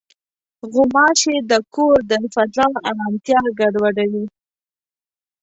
غوماشې د کور د فضا ارامتیا ګډوډوي.